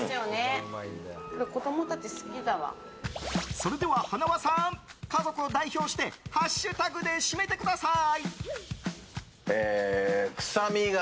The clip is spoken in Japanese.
それでは、はなわさん家族を代表してハッシュタグで締めてください。